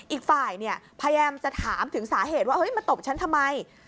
อีกฝ่ายพยายามจะถามถึงสาเหตุว่ามาตบฉันทำไม